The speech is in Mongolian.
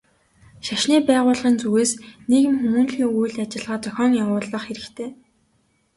Шашны байгууллагын зүгээс нийгэм хүмүүнлэгийн үйл ажиллагаа зохион явуулах хэрэгтэй.